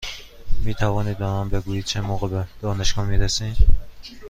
می توانید به من بگویید چه موقع به دانشگاه می رسیم؟